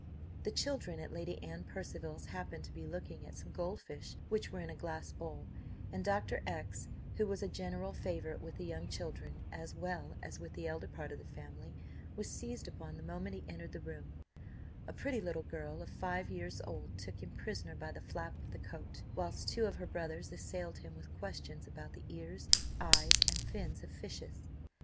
The children at Lady Anne Percival's happened to be looking at some gold fish, which were in a glass globe, and Dr. X , who was a general favourite with the younger as well as with the elder part of the family, was seized upon the moment he entered the room: a pretty little girl of five years old took him prisoner by the flap of the coat, whilst two of her brothers assailed him with questions about the ears, eyes, and fins of fishes.